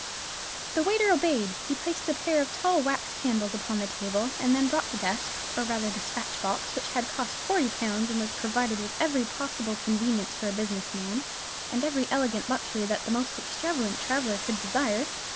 The waiter obeyed; he placed a pair of tall wax candles upon the table; and then brought the desk, or rather despatch box, which had cost forty pounds, and was provided with every possible convenience for a business man, and every elegant luxury that the most extravagant traveller could desire.